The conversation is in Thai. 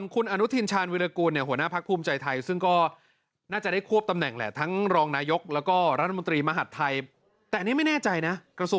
คุณผู้ชมนะมันก็ยังมีการสลับสับเตียงกันอยู่